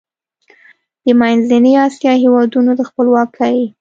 د منځنۍ اسیا هېوادونو د خپلواکۍ